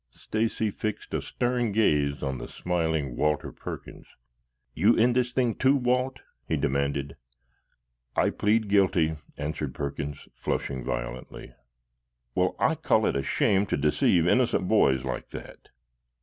Stacy fixed a stern gaze on the smiling Walter Perkins. "You in this thing, too, Walt?" he demanded. "I plead guilty," answered Perkins, flushing violently. "Well, I call it a shame to deceive innocent boys like that.